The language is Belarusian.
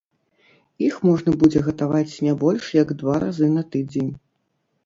Іх можна будзе гатаваць не больш як два разы на тыдзень.